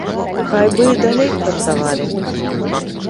Хай бы і далей працавалі.